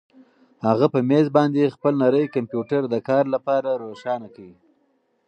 هغه په مېز باندې خپل نری کمپیوټر د کار لپاره روښانه کړ.